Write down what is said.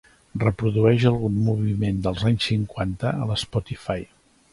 Reprodueix algun moviment dels anys cinquanta a l'Spotify